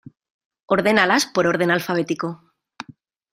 Ordénalas por orden alfabético.